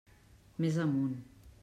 Més amunt.